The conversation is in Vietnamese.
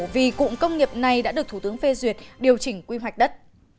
vì cụm công nghiệp này đã được thủ tướng phê duyệt điều chỉnh quy hoạch đất